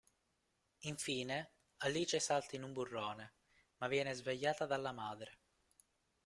Infine, Alice salta in un burrone, ma viene svegliata dalla madre.